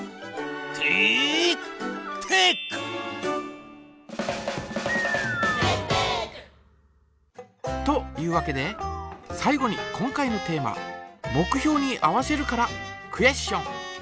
「テイクテック」！というわけで最後に今回のテーマ「目標に合わせる」からクエスチョン。